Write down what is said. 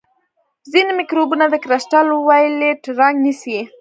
ځینې مکروبونه د کرسټل وایولېټ رنګ نیسي.